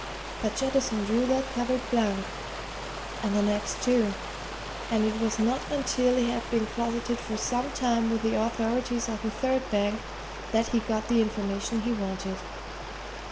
But Jettison drew that covert blank, and the next, too, and it was not until he had been closeted for some time with the authorities of the third bank that he got the information he wanted.